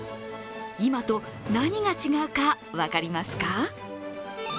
今と何が違うか分かりますか？